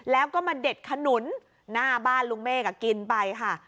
แล้วก็มาเด็ดขนุนหน้าบ้านลุงเมฆกินไปค่ะ